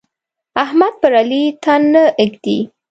احمد پر علي تن نه ږدي.